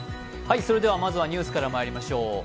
まずはニュースからまいりましょう。